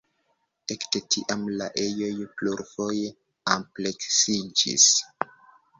Ekde tiam la ejoj plurfoje ampleksiĝis.